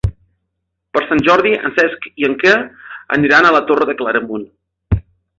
Per Sant Jordi en Cesc i en Quer aniran a la Torre de Claramunt.